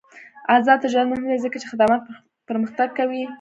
آزاد تجارت مهم دی ځکه چې خدمات پرمختګ کوي.